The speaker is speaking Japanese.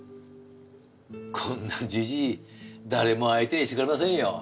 こんなじじい誰も相手にしてくれませんよ。